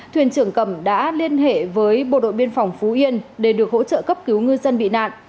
thuyền trưởng cầm đã liên hệ với bộ đội biên phòng phú yên để được hỗ trợ cấp cứu ngư dân bị nạn